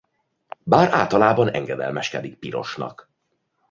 Bár általában engedelmeskedik Pirosnak.